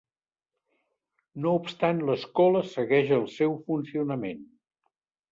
No obstant l'escola segueix el seu funcionament.